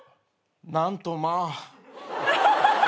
なんとまぁ。